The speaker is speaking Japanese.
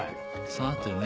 さてね